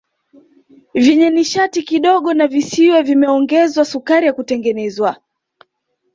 Vyenye nishati kidogo na visiwe vimeongezwa sukari ya kutengenezwa